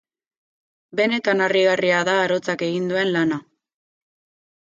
Benetan harrigarria da arotzak egin duen lana.